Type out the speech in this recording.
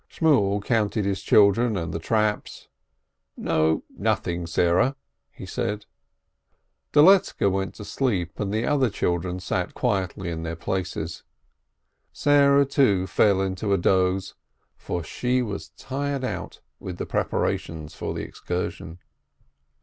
Shimiel counted his children and the traps. "No, nothing, Sarah !" he said. Doletzke went to sleep, the other children sat quietly in their places. Sarah, too, fell into a doze, for she was tired out with the preparations for the excursion.